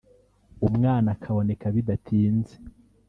umwana akaboneka bidatinze